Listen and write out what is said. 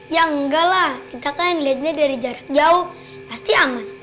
ya enggak lah kita kan lihatnya dari jarak jauh pasti aman